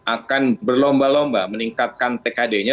akan berlomba lomba meningkatkan tkd nya